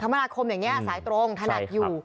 มนาคมอย่างนี้สายตรงถนัดอยู่